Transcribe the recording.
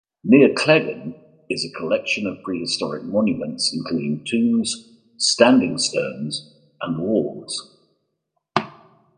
Near Cleggan is a collection of prehistoric monuments including tombs, standing stones and walls.